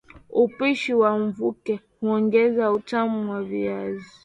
Upishi wa mvuke huongeza utamu wa viazi